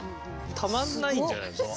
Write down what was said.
たまんないんじゃないですか？